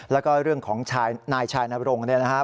แล้วก็เรื่องของนายชายนรงค์เนี่ยนะครับ